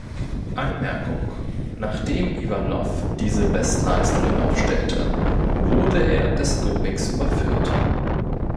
Anmerkung: Nachdem Iwanow diese Bestleistungen aufstellte, wurde er des Dopings überführt.